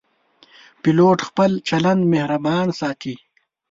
پیلوټ خپل چلند مهربان ساتي.